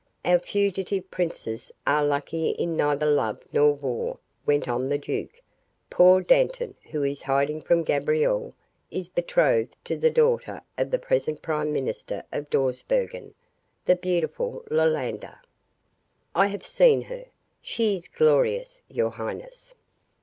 "Our fugitive princes are lucky in neither love nor war," went on the duke. "Poor Dantan, who is hiding from Gabriel, is betrothed to the daughter of the present prime minister of Dawsbergen, the beautiful Iolanda, I have seen her. She is glorious, your highness."